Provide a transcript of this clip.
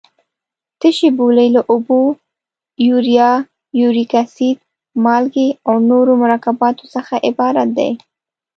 تشې بولې له اوبو، یوریا، یوریک اسید، مالګې او نورو مرکباتو څخه عبارت دي.